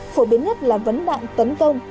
phổ biến nhất là vấn đạn tấn công